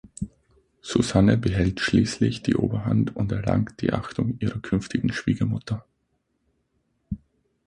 Susanne behält schließlich die Oberhand und erlangt die Achtung ihrer künftigen Schwiegermutter.